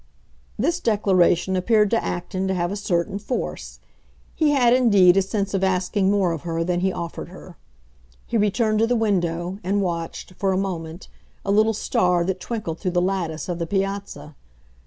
This declaration appeared to Acton to have a certain force; he had indeed a sense of asking more of her than he offered her. He returned to the window, and watched, for a moment, a little star that twinkled through the lattice of the piazza.